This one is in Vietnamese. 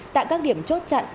tại các điểm chốt chặn